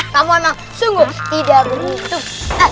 kamu anak sungguh tidak beruntung